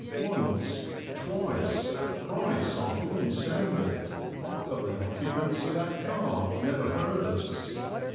Once, twice, thrice our horn sounded, but the occupants of that car never heard us.